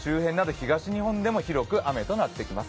東日本でも広く雨となってきます。